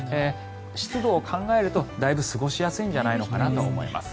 湿度を考えるとだいぶ過ごしやすいんじゃないのかなと思います。